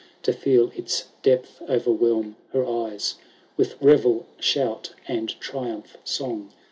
To feel its depth overwhelm her eyes. With revel shout, and triumph song.